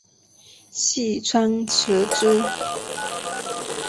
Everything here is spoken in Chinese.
细川持之。